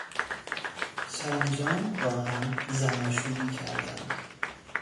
سرانجام با هم زناشویی کردند.